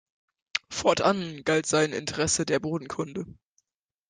Fortan galt sein Interesse der Bodenkunde.